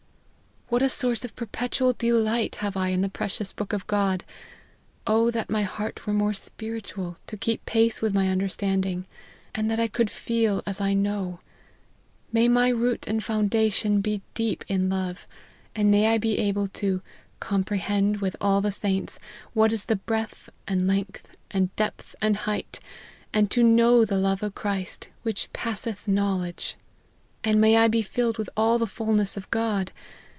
" What a source of perpetual delight have I in the precious book of God ! O that my heart were more spiritual, to keep pace with my understand ing ; and that I could feel as I know ! May my root and foundation be deep in love, and may I be able to * comprehend, with all saints, what is the breadth, and length, and depth, and height, and to know the love of Christ which passeth knowledge !' And may I be filled with all the fulness of God